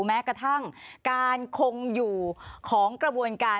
แม้กระทั่งการคงอยู่ของกระบวนการ